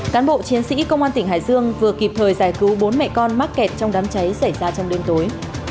cán bộ chiến sĩ công an tỉnh hải dương vừa kịp thời giải cứu bốn mẹ con mắc kẹt trong đám cháy xảy ra trong đêm tối